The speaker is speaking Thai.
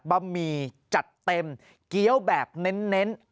บะหมี่จัดเต็มเกี้ยวแบบเน้น